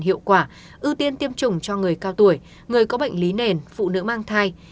hiệu quả ưu tiên tiêm chủng cho người cao tuổi người có bệnh lý nền phụ nữ mang thai